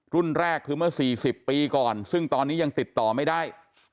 แรกคือเมื่อ๔๐ปีก่อนซึ่งตอนนี้ยังติดต่อไม่ได้